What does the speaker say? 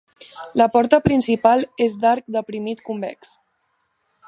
La porta principal és d'arc deprimit convex.